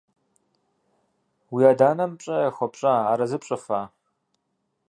Уи адэ-анэм пщӀэ яхуэпщӀа, арэзы пщӀыфа?